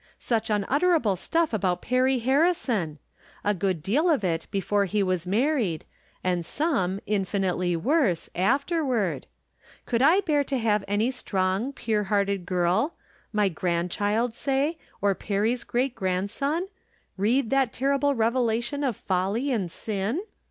Such unutterable stuff about Perry Harrison ! A good deal of it before he was mar ried, and some, infinitely worse, afterward ! Could I bear to have any young, pure hearted girl — my grandchild, say, or Perry's great grand son — ^read that terrible revelation of folly and sin